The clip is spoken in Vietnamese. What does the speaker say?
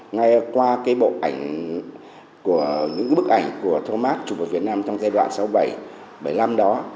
ngay qua cái bộ ảnh của những bức ảnh của thomas chụp ở việt nam trong giai đoạn sáu bảy bảy năm đó